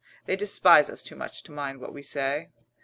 They despise us too much to mind what we say."